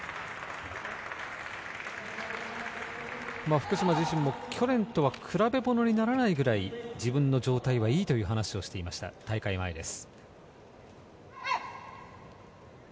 福島自身も去年とは比べ物にならないぐらい自分の状態はいいという話をしていました、大会前です。